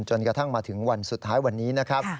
จนกระทั่งมาถึงวันสุดท้ายวันนี้นะครับ